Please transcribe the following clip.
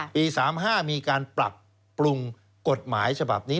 ปี๓๕มีการปรับปรุงกฎหมายฉบับนี้